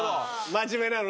真面目なの。